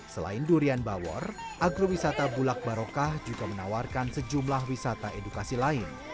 selain durian bawor agrowisata bulak barokah juga menawarkan sejumlah wisata edukasi lain